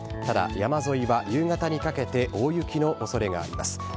ただ、山沿いは夕方にかけて大雪のおそれがあります。